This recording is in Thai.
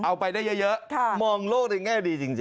เอาไปได้เยอะมองโลกในแง่ดีจริง